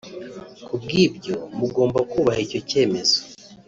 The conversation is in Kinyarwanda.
ku bw’ibyo mugomba kubaha icyo cyemezo”